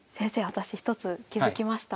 私１つ気付きました。